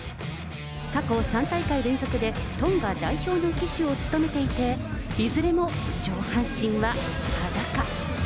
過去３大会連続でトンガ代表の旗手を務めていて、いずれも上半身は裸。